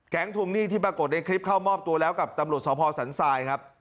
ทวงหนี้ที่ปรากฏในคลิปเข้ามอบตัวแล้วกับตำรวจสพสันทรายครับ